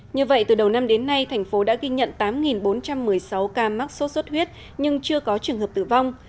như vậy từ đầu năm đến nay thành phố đã ghi nhận tám bốn trăm một mươi sáu ca mắc sốt xuất huyết nhưng chưa có trường hợp tử vong